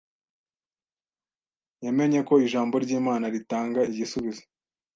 Yamenye ko Ijambo ry’Imana ritanga igisubizo